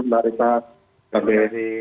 terima kasih mbak rika